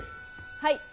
はい。